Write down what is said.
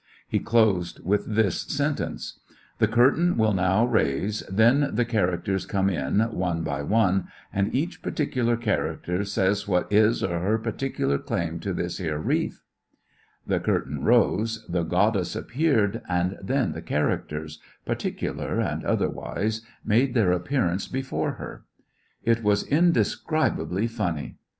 He closed with this sentence : 114 'IJAissionarY in t^e Great West "The curtain will now raise, then the char* acters come in, one by one, an' each particular character says what 's his or her particular claim to this here wreath." The curtain rose, the goddess appeared, and then the characters, particular and otherwise, made their appearance before her. It was indescribably funny.